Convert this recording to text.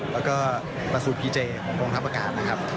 และและเลตรวว์